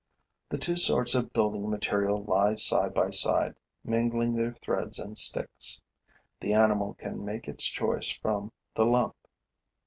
The two sorts of building material lie side by side, mingling their threads and sticks. The animal can make its choice from the lump.